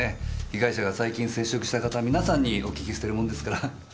被害者が最近接触した方みなさんにお訊きしているものですから。